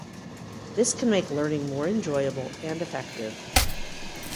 This can make learning more enjoyable and effective.